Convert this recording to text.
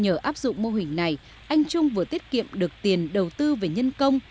nhờ áp dụng mô hình này anh trung vừa tiết kiệm được tiền đầu tư về nhân công